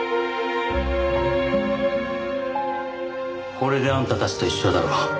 これであんたたちと一緒だろ。